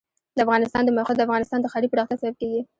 د افغانستان د موقعیت د افغانستان د ښاري پراختیا سبب کېږي.